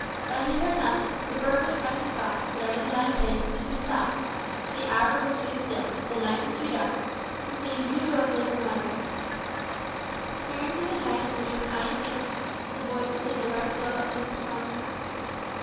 But he heard nothing, for the burglar kept his thoughts, whatever they might have been, to himself. The hour was too still, the night too dark, the scene too ghostly for mutterings. Peering through the hedge, which was high and thick, the boy could see the red glow of Mr Bones's pipe.